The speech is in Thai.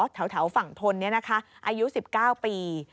แถวฝั่งทนนี้นะคะอายุ๑๙ปี